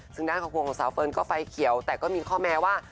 ซึ่งด้านครอบครัวของสาวเฟิร์นก็ไฟเขียวแต่ก็มีข้อแม้ว่า